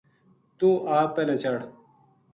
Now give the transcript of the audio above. توہ آپ پہلاں چڑھ